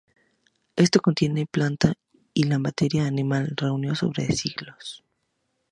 Esto contiene planta y la materia animal reunió sobre siglos.